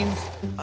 あ。